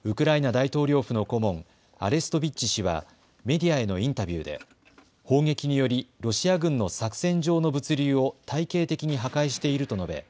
大統領府の顧問、アレストビッチ氏はメディアへのインタビューで、砲撃によりロシア軍の作戦上の物流を体系的に破壊していると述べ